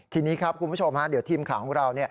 ทีนี้ครับคุณผู้ชมเดี๋ยวทีมข่าวของเรา